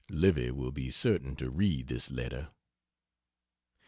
(Livy will be certain to read this letter.)